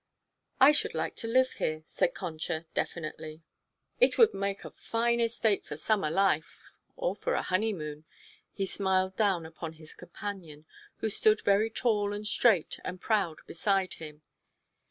"I should like to live here," said Concha definitely. "It would make a fine estate for summer life or for a honeymoon." He smiled down upon his companion, who stood very tall and straight and proud beside him.